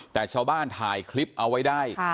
แต่ชาวบ้านถ่ายคลิปเอาไว้ได้